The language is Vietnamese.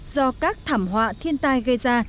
do các thảm họa thiên tai gây ra